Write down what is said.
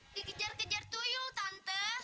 dikejar kejar tuyul tante